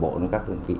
đồng bộ các đơn vị